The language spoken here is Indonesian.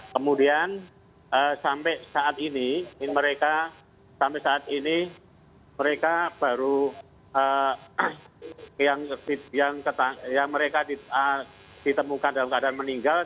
kemudian sampai saat ini mereka baru yang mereka ditemukan dalam keadaan meninggal